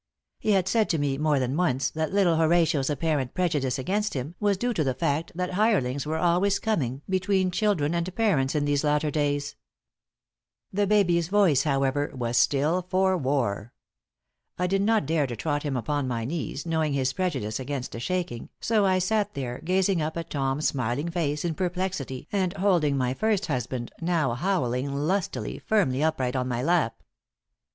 He had said to me, more than once, that little Horatio's apparent prejudice against him was due to the fact that hirelings were always coming between children and parents in these latter days. The baby's voice, however, was still for war. I did not dare to trot him upon my knees, knowing his prejudice against a shaking, so I sat there gazing up at Tom's smiling face in perplexity and holding my first husband, now howling lustily, firmly upright on my lap.